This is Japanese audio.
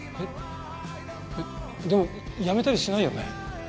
えっでも辞めたりしないよね？